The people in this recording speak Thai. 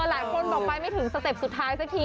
หลายคนบอกไปไม่ถึงสเต็ปสุดท้ายสักที